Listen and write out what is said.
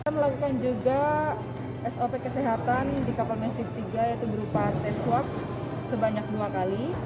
kita melakukan juga sop kesehatan di kapal messive tiga yaitu berupa tes swab sebanyak dua kali